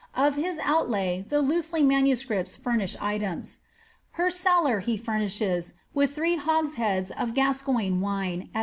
Of his outlay the Losely MSS. furnish items. Her cellar he furnishes with three hogsheads of Gascoigne wine, at 3